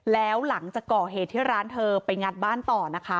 แล้วหลังจากก่อเหตุที่ร้านเธอไปงัดบ้านต่อนะคะ